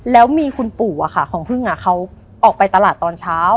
แล้วมีคุณปู่ของพึ่งเขาออกไปตลาดตอนเช้า